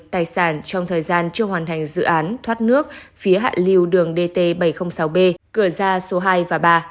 tài sản trong thời gian chưa hoàn thành dự án thoát nước phía hạ lưu đường dt bảy trăm linh sáu b cửa ra số hai và ba